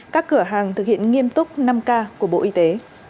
các cửa hàng thực hiện nghiêm túc năm k của bộ y tế